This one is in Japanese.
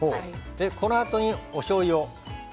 このあとに、おしょうゆを。